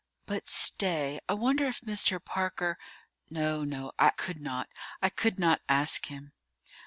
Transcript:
But stay—I wonder if Mr. Parker—— No, no, I could not—I could not ask him."